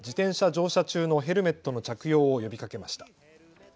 乗車中のヘルメットの着用を呼びかけました。